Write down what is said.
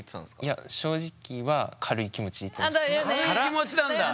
いや正直は軽い気持ちなんだ